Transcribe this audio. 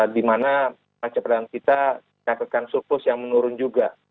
di mana neraja perdagang kita mengatakan surplus yang menurun juga